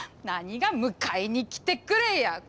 何が「迎えに来てくれ」や！